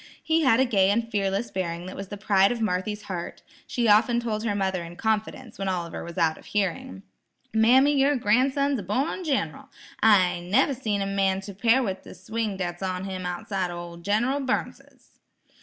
He had a gay and fearless bearing that was the pride of Marthy's heart. She often told her mother in confidence, when Oliver was out of hearing: "Mammy, yer gran'son's a born gin'ral; I never seen any man to 'pare with the swing dat's on him outside o' ol' Gin'ral Burnsis."